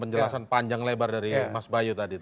penjelasan panjang lebar dari mas bayu tadi